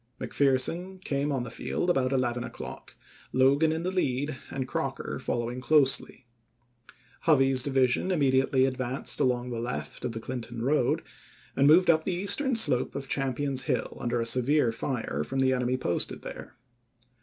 McPherson came on the field about eleven o'clock, Logan in the lead, and Crocker following closely. Hovey's division immediately advanced along the left of the Clinton road, and moved up the eastern slope of Champion's Hill under a severe fire from the enemy posted there.